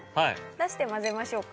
出して混ぜましょうか。